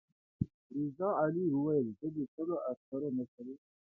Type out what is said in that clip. رضا علي وویل زه د سلو عسکرو مشر یم.